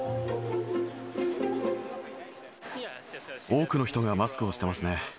多くの人がマスクをしてますね。